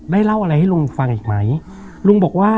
เล่าอะไรให้ลุงฟังอีกไหมลุงบอกว่า